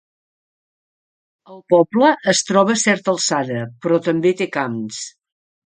El poble és troba a certa alçada, però també té camps.